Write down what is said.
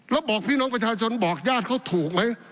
แล้วบอกพี่น้องประชาชนบอกญาติเขาถูกไหม